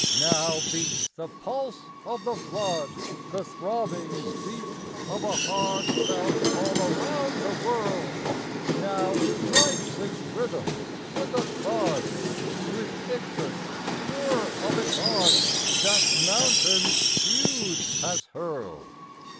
Now beats the pulse of the flood, The throbbings deep of a heart Felt all around the world; Now smites its rhythm with a thud, With ictus sure of its art That mountains huge has hurled.